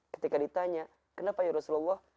ketika ditanya kenapa ya rasulullah